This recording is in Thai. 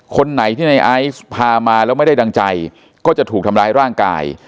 คนไหนที่ในไอซ์พามาแล้วไม่ได้ดังใจก็จะถูกทำร้ายร่างกาย